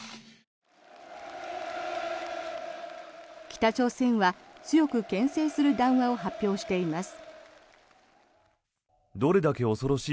北朝鮮は強くけん制する談話を発表しています。